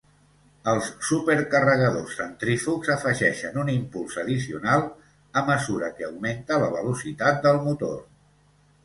Els supercarregadors centrífugs afegeixen un impuls addicional a mesura que augmenta la velocitat del motor.